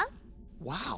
ワオ！